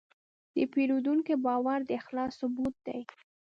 د پیرودونکي باور د اخلاص ثبوت دی.